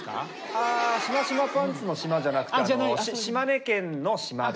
あしましまパンツの「しま」じゃなくて島根県の「島」です。